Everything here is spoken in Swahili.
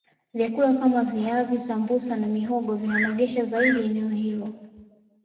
vyakula Kama viazi sambusa na mihogo vinanogesha zaidi eneo hilo